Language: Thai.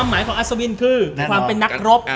หมายของอัศวินคือความเป็นนักรบ